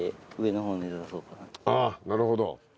あぁなるほど。